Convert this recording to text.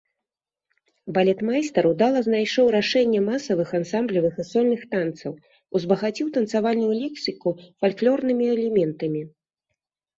Балетмайстар удала знайшоў рашэнне масавых, ансамблевых і сольных танцаў, узбагаціў танцавальную лексіку фальклорнымі элементамі.